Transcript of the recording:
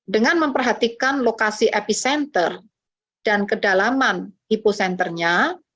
dengan memperhatikan lokasi epicenter dan kedalaman hipocenternya